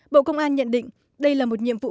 bộ công an nhận định đây là một nhiệm vụ